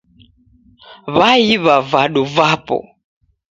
W'aiw'a vadu vapo.